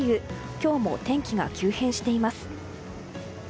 今日も天気が急変しています。